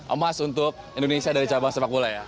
emas untuk indonesia dari cabang sepak bola ya